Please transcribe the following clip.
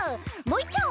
もういっちょ！